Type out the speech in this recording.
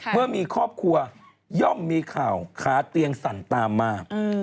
เมื่อมีครอบครัวย่อมมีข่าวขาเตียงสั่นตามมา